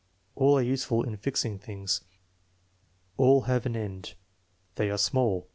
"All arc useful in fixing things." "All have an end." "They are small."